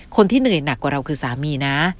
คนที่เหนื่อยหนักกว่าเราคือสามีนะ